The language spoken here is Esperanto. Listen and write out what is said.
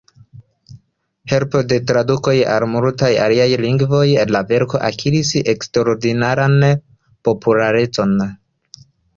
Helpe de tradukoj al multaj aliaj lingvoj, la verko akiris eksterordinaran popularecon.